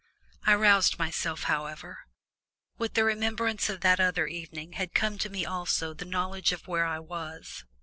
I roused myself, however. With the remembrance of that other evening had come to me also the knowledge of where I was.